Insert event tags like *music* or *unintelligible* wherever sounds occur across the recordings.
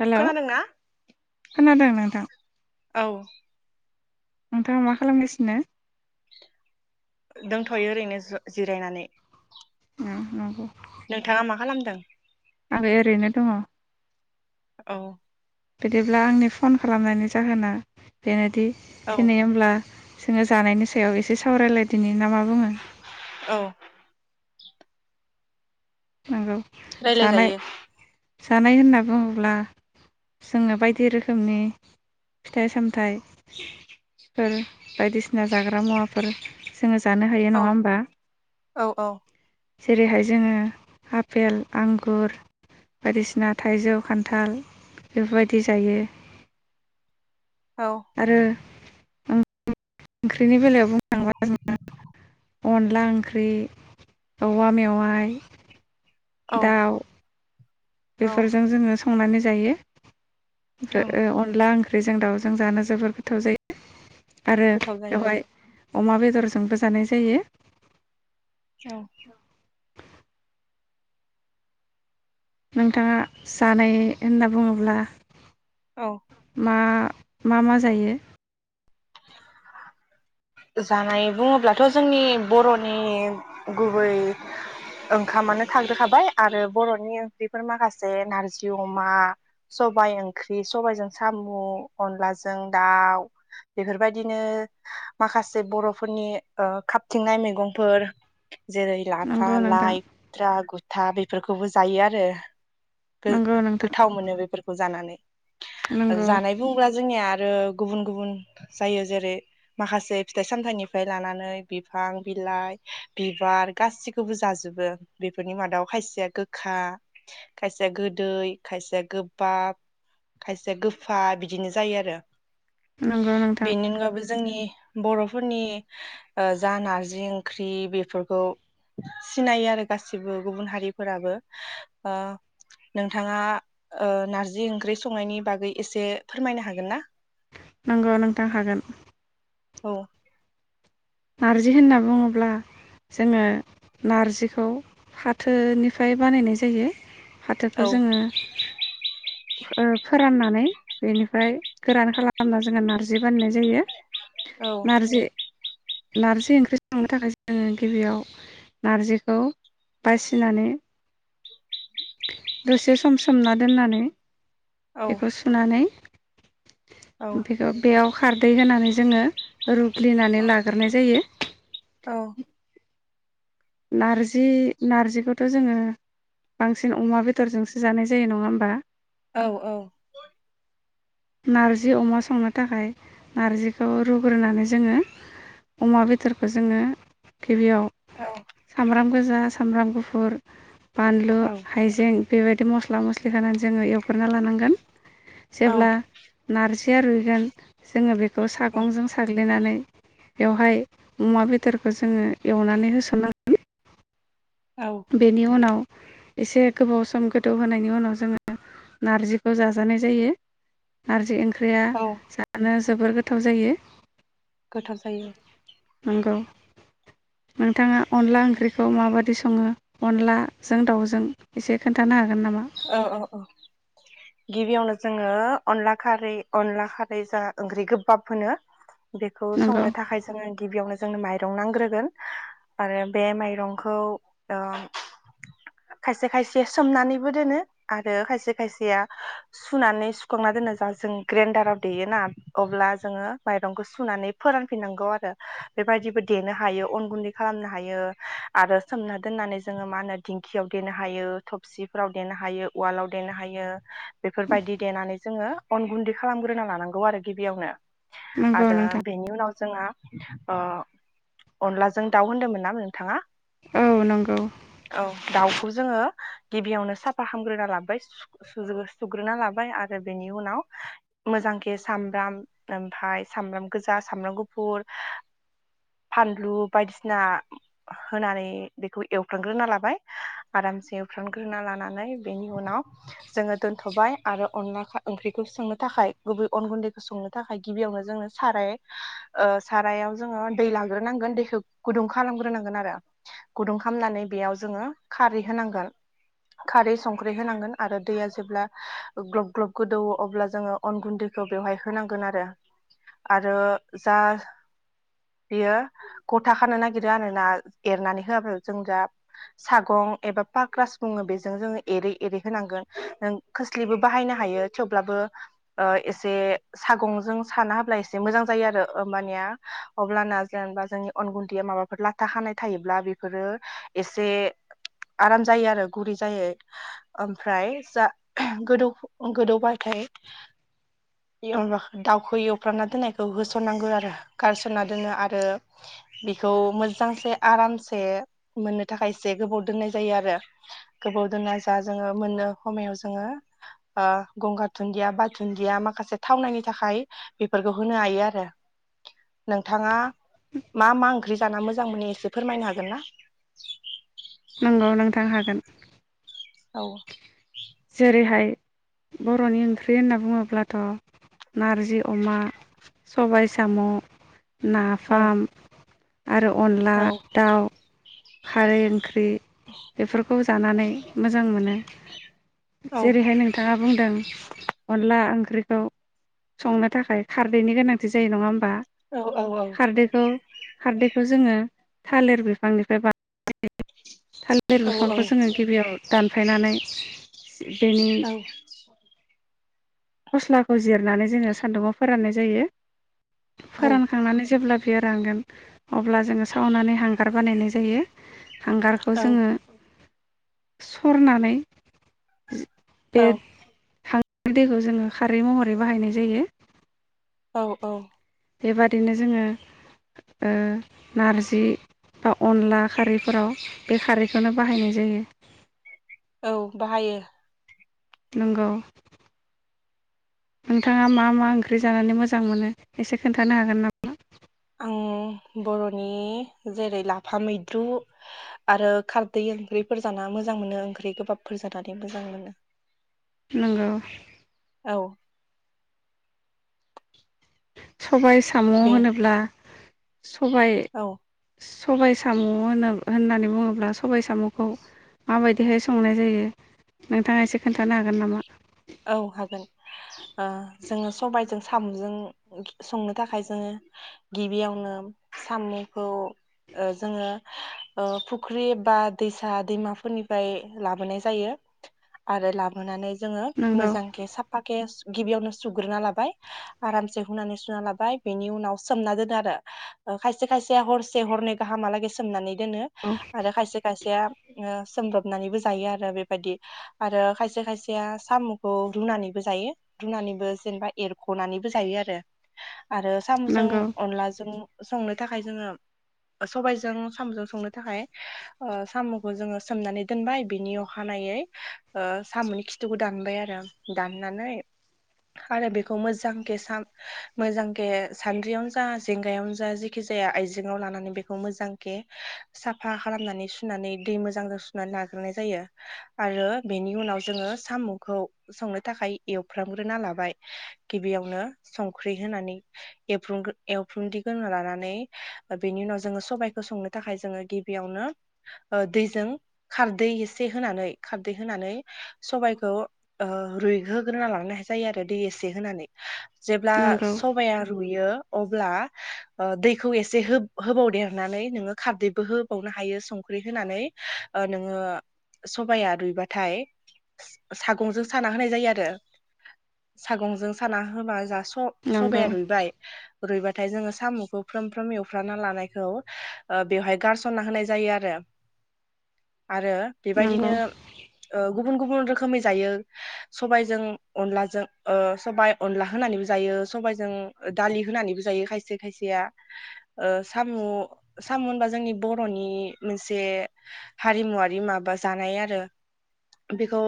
Hello खोनादोंना? खोनादों नोंथां‌ औ नोंथाङा मा खालामगासिनो दंथ'यो ओरैनो जिरायनानै। उम नोंगौ। नोंथाङा मा खालामदों? आं ओरैनो दङ। औ बिदिब्ला आंनि फन खालामनायनि जाहोना बेनोदि औ दिनै होमब्ला जोङो जानायनि सायाव एसे सावरायलाय दिनि ना मा बुङो? औ नंगौ जानाय रायलायजायो जानाय होनना बुङोब्ला जोङो बायदि रोखोमनि फिथाइ सामथाइ फोर बायदिसिना जाग्रा मुवाफोर जोङो जानो हायो औ नङा होमबा? औ औ जेरैहाय जोङो आफेल आंगुर बायदिसिना थाइजौ खान्थाल बेफोरबायदि जायो। औ आरो ओंख्रिनि बेलायाव बुं *unintelligible* अनला ओंख्रि, औवा मेवाइ औ दाव औ बेफोरजों जोङो स संनानै जायो। औ ओ अनला ओं ख्रिजों दावजों जानो जोबोर गोथाव जायो। आरो गोथाव जायो बेवहाय अमा बेदरजोंबो जानाय जायो। औ नोंथाङा जानाय होनना बुङोब्ला औ मा, मा मा जायो? जानाय बुङोब्लाथ' जोंनि बर'नि गुबै ओंखामानो थाग्रोखाबाय आरो बर'नि ओंख्रिफोर माखासे नारजि अमा सबाय ओंख्रि सबायजों साम' अनलाजों दाव बेफोरबायदिनो माखासे बर'फोरनि ओ खाबथिंनाय मैगंफोर जेरै ला फा, नंगौ नोंथां लाय, द्रागु था बेफोरखौबो जायो आरो। नंगौ नोंथां गो-गोथाव मोनो बेफोर खौ जानानै नंगौ जानाय बुङोब्ला जोंनिया आरो गुबुन गुबुन जायो जेरै माखासे फिथाइ सामथाइनिफ्राय लानानै बिफां बिलाइ बिबार गासिखौबो जाजोबो बेफोरनि मादाव खायसेया गोखा, खायसेया गोदै, खायसेया गोबाब, खायसेया गोफा बिदिनो जायो आरो। नंगौ नोंथां बेनि अनगाबो जोंनि बर'फोरनि ओ जा नारजि ओंख्रि बेफोरखौ सिनायो आरो गासिबो गुबुन हारिफोराबो ओ नोंथाङा ओ नारजि ओंख्रि संनायनि बागै एसे फोरमायनो हागोन ना? नंगौ नोंथां हागोन। औ। नारजि होनना बुङोब्ला जोङो नार्जिखौ फाथोनिफ्राय बानायनाय जायो। औ फाथोखौ जोङो। ओ फोराननानै बेनिफ्राय गोरान खालामना जोङो नार्जि बाननाय जायो। औ नारजि। नार्जि ओंख्रि संनो थाखाय जोङो गिबियाव नार्जिखौ बासिनानै। दसे सम समोम नना दोननानै। औ बेखौ सुनानै। औ ओमफायखौ बेयाव। खारदै होनानै जोङो। रुफ्लिनानै लाग्रोनाय जायो। औ नारजि नार्जिखौथ जोङो बांसिन अमा बेदरजोंसो जानाय जायो नङा होमबा। औ औ। नार्जि अमा संनो थाखाय नारजिखौ रुग्रोनानै जोङो अमा बेदरखौ जोङो। गिबियाव औ सामब्राम। गोजा सामब्राम गुफुर। बानलु हाइजें बेबायदि मस‌ स्ला मस्लि होनानै जोङो एवग्रोना लानांगोन। जेब्ला औ‌। नारजिया रुइगोन जोङो बे। खौ सागंजों साग्लिनानै। बेवहाय अमा बेदरखौ जोङो एवनानै होसननांगोन। औ बेनि उनाव। एसे गोबाव सम गोथौ होनायनि उनाव जोङो नारजिखौ जाजानाय जायो नारजि ओं। ख्रिया औ जानो। जोबोर गोथाव जायो। गोथाव जायो। नंगौ। नोंथाङा अनला ओंख्रिखौ माबादि सङो। अनलाजों दाउजों एसे खोन्थानो हा। औ औ औ। गिबियावनो जोङो अनला खारै अनला खारै जा ओंख्रि गोबाब होनो। बेखौ नंगौ संनो थाखाय जोङो गिबियावनो जोंनो माइ। सोनांग्रोगोन आरो बे माइरंखौ ओ खायसे खायसे सोमनानै। बो दोनो आरो खायसे खायसेया सुनानै सुखांना दोनो जा जों ग्रेन्डाराव देयोना अब्ला जोङो माइरंखौ सुनानै फोरानफिननांगौ आरो बेबायदिबो देनो हायो अन गुन्दै खालामनो हायो आरो सोमना दोननानै जोङो मा होनो दिंखियाव देनो हायो थबसि। फोराव देनो हायो उवालाव देनो हायो। बेफोरबायदि देनानै। जोङो अन गुन्दै खालामग्रोना लानांगौ आरो गिबियावनो नंगौ आरो नोंथां बेनि उनाव जोंहा ओ अनलाजों दाउ होनदोंमोन ना नोंथाङा औ नंगौ औ दाउखौ जोङो गिबियावनो साफा खालामामग्रोना लाबाय सु सुग्रो सुग्रोना लाबाय आरो बेनि उनाव मोजांखे सामब्राम ओमफाय सामब्राम गोजा सामब्राम गुफुर फानलु बायदिसिना होनानै बेखौ एवख्रांग्रोना लाबाय आरामसे फ्रांग्रोना लानानै बेनि उनाव जोङो दोनथबाय आरो अनला खा ओंख्रिखौ सोंनो थाखाय गुबै अन गुन्दैखौ संनो थाखाय गिबियावनो जोङो साराय ओ सारायाव जोङो दै लाग्रोनांगोन दैखौ गुदुं खालामग्रोनांगोन आरो गुदुं खालामनानै बेयाव जोङो खारै होनांगोन खारै संख्रि होनांगोन आरो दैया जेब्ला ग्लब ग्लब गोदौवो अब्ला जोङो अन गुन्दैखौ बेवहाय होनांगोन आरो आरो जा बेयो गथा खानो नागिरो आरो ना एरनानै होआब्ला जों दा सागं एबा पाग्रा। बुङो बेजों जोङो एरै एरै होनांगोन नों खोस्लिबो बाहायनो हायो थेवब्लाबो एसे सागंजों साना होब्ला एसे मोजां जायो आरो मानिया अब्लाना जेनेबा जोंनि अन गुन्दैया माबाफोर लाथा हानाय थायोब्ला बेफोरो एसे आराम जायो आरो। गुरै जायो आमफ्राय जा गो गोदौबाथाय दाउखौ एवफ्रांना दोननायखौ होसनो। होनांगौ आरो गारसनना दोनो आरो। ओ आरो बेखौ मोजांसे आरामसे मोननो थाखाय एसे गोबाव दोननाय जायो आरो। गोबाव दोनना जा जोङो मोननो समायाव जोङो गंगार दुनन्दिया बा दुुनन्दिया माखासे थावनायनि थाखाय बेफोरखौ होनो हायो आरो नोंथाङा मा मा ओंख्रि जाना मोजां मोनो एसे फोरमायनो हागोन ना। नंगौ नोंथां हागोन औ जेरैहाय। ब'रनि ओंख्रि होनना बुङोब्लाथ नारजि अमा सबाय साम। औ नाफाम। आरो अनला औ दाउ। खारै। ओंख्रि बेफोरखौ जानानै मोजां मोनो। औ जेरैहाय नोंथाङा बुंदों अनला ओंख्रि। ओंख्रिखौ संनो थाखाय खारदैनि गोनांथि जायो नङा। औ औ औ। खारदैखौ खारदैखौ जोङो थालिर बिफांनिफ्राय बानायनाय। थालिर औ बिफांखौ जोङो गिबियाव। दानफायनानै। बेनि। फस्लाखौ जिरनानै जोङो सान्दुंङाव फोराननाय जायो। फोरानखांनानै जेब्ला। बिय रानगोन अब्ला जोङो सावनानै हांगार बानायनाय जायो। हांगारखौ जोङो। सरनानै। बे थां। दैखौ। जोङो खारै महरै बाहायनाय जायो। औ औ। बेबादिनो जोङो ओ नारजि बा अनला खारैफोराव बे खारैखोनो बाहायनाय जायो। औ बाहायो। नोंगौ नोंथाङा मा मा ओंख्रि जानानै मोजां मोनो एसे खोन्थानो हागोन नामा? बर'नि जेरै लाफा मैद्रु आरो खारदै ओंख्रिफोर जाना मोजां मोनो ओंख्रि गोबाबफोर जानानै मोजां मोनो। नोंगौ औ स'बाय सामु बे होनोब्ला सबाय औ सबाइ सामु होनना होननानै बुङोब्ला स'बाय सामुखौ माबायदिहाय संनाय जायो नोंथाङा एसे खोन्थानो हागोन नामा? औ हागोन ओ जोङो सबायजों सामुजों संनो थाखाय जोङो गिबियावनो सामुखौ जोङो ओ फुख्रि बा दैसा दैमाफोरनिफ्राय लाबोनाय जायो आरो लाबोनानै जोङो नंगौ मोजांके साफाकेे गिबियावनो सुग्रोना लाबाय आरामसे हुनानै सुना लाबाय बेनि उनाव सोमना दोनो आरो ओ खायसे खायसे हरसे हरनै गाहामहालागै सोमनानै दोनो औ आरो खायसे खायसेया ओ सोमब्रबनानैबो जायो आरो बेबायदि आरो खायसे खायसेया सामु खौ रुनानैबो जायो रुनानैबो जेनेबा एरख'नानैबो जायो आरो। आरो साम'जों नंगौ अनलाजों संनो थाखाय जोङो सबायजों सामुजों संनो थाखाय ओ सामुखौ जोङो सोमनानै दोनबाय बिनि अखानायै ओ सामुनि खिथुखौ दानबाय आरो दाननानै आरो बेखौ मोजांके सा मोजांखे सान्द्रियावनो जा जेंगायावनो जा जेखि जाया आइजेंआव लानानै बेखौ मोजांके साफा खालामनानै सुनानै दै मोजांजों सुनानै लाग्रोनाय जायो आरो बेनि उनाव जोङो साम'खौ संनो थाखाय एवफ्रामग्रोना लाबाय गिबियावनो संख्रि होनानै ऐवफ्रंग्रो एवफ्रोमदिग्रोना लानानै ओ बेनि उनाव जोङो सबबायखौ संनो थाखाय जोङो गिबियावनो ओ दैजों खारदै एसे होनानै खारदै होनानै स'बायखौ ओ रुइहोग्रोना लांनाय जायो आरो दै एसे होनानै। जेब्ला नंगौ स'बाया रुयो अब्ला ओ दैखौ एसे हो-होबावदेरनानै नोङो खारदैबो होबावनो हायो संख्रि होनानै ओ नोङो स'बाया रुइबाथाय सागंजों साना होनाय जायो आरो सागंजों साना होबा नंगौ स-स'बाया रुइबाय रुइबाथाय जोङो साम'खौ फ्राम फ्राम एव फ्रामना लानायखौ ओ बेवहाय गारसनना होनाय जायो आरो। आरो बेबायदिनो नंगौ ओ गुबुन गुबुन रोखोमै जायो। सबायजों अनलाजों ओ सबाय अनला होनानैबो जायो सबायजों दालि होनानैबो जायो खायसे खायसेया ओ सामु सामु होनबा जोंनि बर'नि मोनसे हारिमुवारि माबा जानाय आरो बेखौ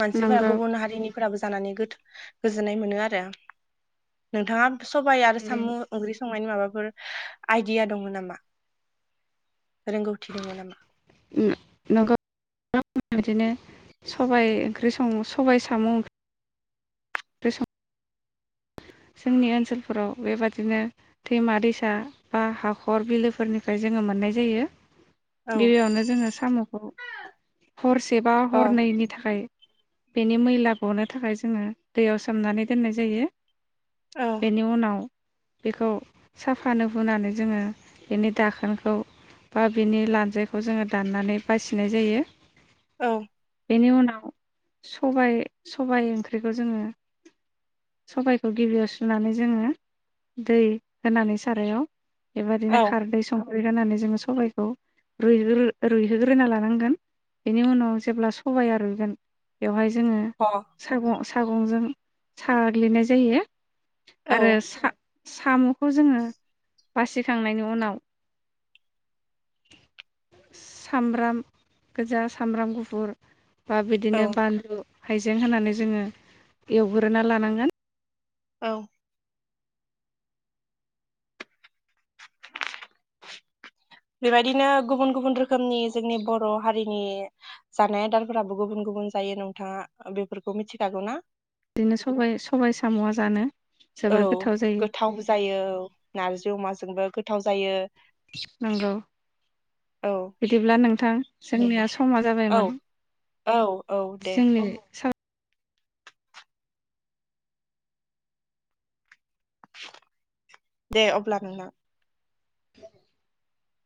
मानसिफोरा नंगौ गुबुन हारिनिफोराबो जानानै गो गोजोननाय मोनो आरो नोंथाङा सबाइ आरो सामु ओंख्रि संनायनि माबा फोर आइदिया दंङो नामा? रोंगौथि दङ नामा? नंगौ बिदिनो स'बाइ ओंख्रि सं सबाइ साम' ओं ख्रि सं जोंनि ओनसोलफोराव बेबादिनो दैमा दैसा बा हाखर बिलोफोरनिफ्राय जोङो मोननाय जायो। औ गिबियावनो जोङो साम'खौ हरसे बा अ हरनैनि थाखाय बेनि मैला गनो थाखाय जोङो दैयाव सोमनानै दोननाय जायो। औ बेनि उनाव बेखौ साफानो हुनानै जोङो बेनि दाखोनखौ बा बिनि लान्जायखौ जोङो दाननानै बासिनाय जायो। औ। बेनि उनाव सबाइ सबाइ ओंख्रिखौ जोङो सबाइ गिबियाव सुनानै जोङो दै होनानै सारायाव बेबायदिनो अ खारदै सं रुइहोनानै जोंङो सबायखौ रुगोरो रुइहोग्रोना लानांगोन बेनि उनाव जेब्ला सबाया रुइगोन बेवहाय जोंङो साग' सागंजों साग्लिनाय जायो। औ आरो सा साम'खौ जोंङो बासिखांनायनि उनाव सामब्राम गोजा, सामब्राम गुफुर बा बिदिनो औ बानलु हाइजें होनानै जोंङो एवग्रोना लानांगोन औ बेबायदिनो गुबुन गुबुन रोखोमनि जोंनि बर' हारिनि जानाय आदारफोराबो गुबुन गुबुन जायो नोंथांङा बेफोरखौ मिथिखागौ ना बिदिनो सबाय सबाय साम'आ जानो औ जोबोर गोथाव जायो गोथाव जायो औ नारजि अमाजोंबो गोथाव जायो। नंगौ औ बिदिब्ला नों थां जोंनिआ स समा औ जाबायमोन औ औ दे जोंनि सा दे अब्ला नोंथां। *inaudible*